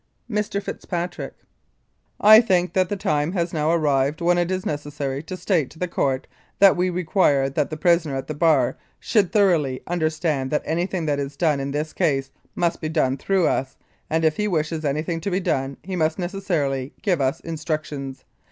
Mr. FITZPATRICK: I think that the time has now arrived when it is necessary to state to the Court that we require that the prisoner at the bar should thoroughly under stand that anything that is done in this case must be done through us, and if he wishes anything to be done he must necessarily give us instructions.